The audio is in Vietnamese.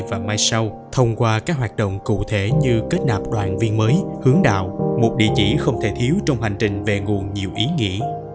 ngày sau thông qua các hoạt động cụ thể như kết nạp đoạn viên mới hướng đạo một địa chỉ không thể thiếu trong hành trình về nguồn nhiều ý nghĩ